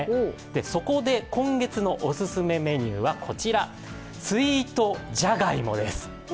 そこで今月のお勧めメニューはこちら、スイートじゃがいもです。